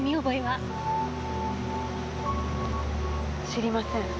知りません。